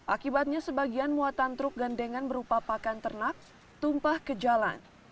akibatnya sebagian muatan truk gandengan berupa pakan ternak tumpah ke jalan